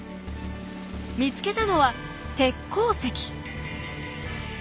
見つけたのは鉄鉱石。